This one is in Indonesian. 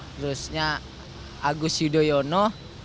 terusnya agus yudhoyono